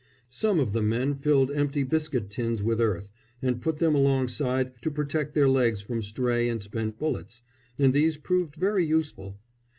Some of the men filled empty biscuit tins with earth and put them alongside to protect their legs from stray and spent bullets, and these proved very useful.